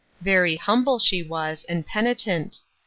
Very humble she was and penitent.